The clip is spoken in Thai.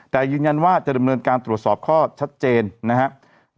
แต่ยืนยันว่าจะดำเนินการตรวจสอบข้อชัดเจนนะครับ